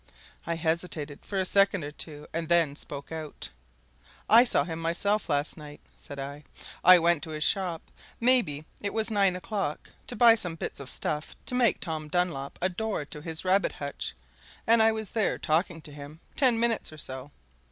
I hesitated for a second or two, and then spoke out. "I saw him myself last night," said I. "I went to his shop maybe it was nine o'clock to buy some bits of stuff to make Tom Dunlop a door to his rabbit hutch, and I was there talking to him ten minutes or so.